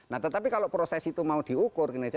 nah tetapi kalau proses itu mau diukur kinerja